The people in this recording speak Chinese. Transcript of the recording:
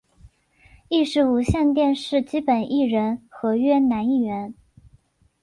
亦是无线电视基本艺人合约男艺员。